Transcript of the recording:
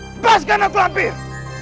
lepaskan aku lampir